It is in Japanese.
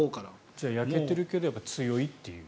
じゃあ焼けてるけど強いという。